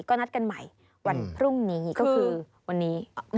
ก็นัดกันใหม่วันพรุ่งนี้ก็คือวันนี้